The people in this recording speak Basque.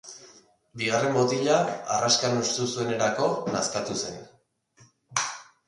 Bigarren botila harraskan hustu zuenerako nazkatua zen.